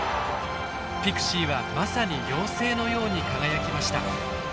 ピクシーはまさに妖精のように輝きました。